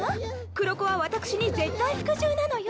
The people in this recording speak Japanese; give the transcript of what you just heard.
黒子は私に絶対服従なのよ。